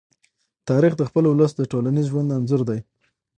تاریخ د خپل ولس د ټولنیز ژوند انځور دی.